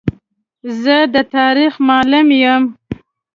زه د تاریخ معلم یم.